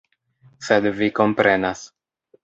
Sed vi komprenas.